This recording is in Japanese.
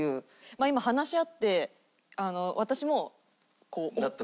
今話し合って私もこう。納得？